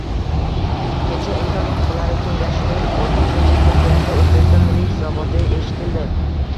Kecha Inson huquqlari kengashining o'ttizinchi sessiyasida O'zbekiston milliy hisoboti eshitildi.